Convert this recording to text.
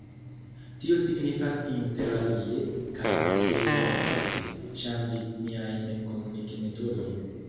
Tio signifas interalie, kaj prioritate, ŝanĝi niajn komunik-metodojn.